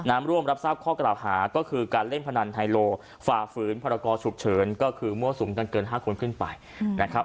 ร่วมรับทราบข้อกล่าวหาก็คือการเล่นพนันไฮโลฝ่าฝืนพรกรฉุกเฉินก็คือมั่วสุมกันเกิน๕คนขึ้นไปนะครับ